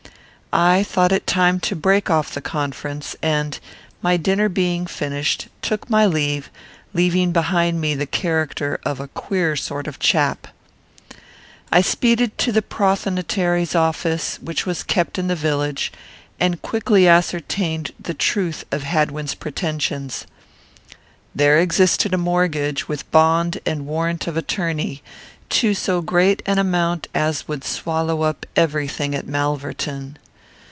I thought it time to break off the conference; and, my dinner being finished, took my leave, leaving behind me the character of a queer sort of chap. I speeded to the prothonotary's office, which was kept in the village, and quickly ascertained the truth of Hadwin's pretensions. There existed a mortgage, with bond and warrant of attorney, to so great an amount as would swallow up every thing at Malverton.